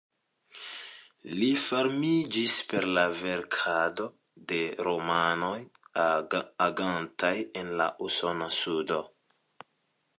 Li famiĝis per la verkado de romanoj agantaj en la usona sudo.